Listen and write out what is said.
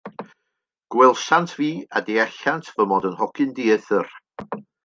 Gwelsant fi, a deallasant fy mod yn hogyn dieithr.